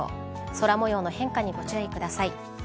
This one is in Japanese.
空模様の変化にご注意ください。